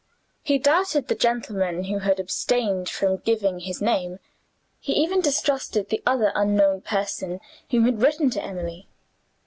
He doubted the gentleman who had abstained from giving his name; he even distrusted the other unknown person who had written to Emily.